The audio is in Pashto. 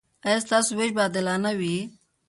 ایا ستاسو ویش به عادلانه وي؟